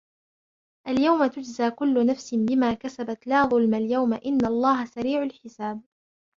الْيَوْمَ تُجْزَى كُلُّ نَفْسٍ بِمَا كَسَبَتْ لَا ظُلْمَ الْيَوْمَ إِنَّ اللَّهَ سَرِيعُ الْحِسَابِ